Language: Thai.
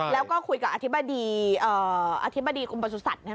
แล้วก็คุยกับอธิบดีอุปสรุษัตริย์ใช่ไหม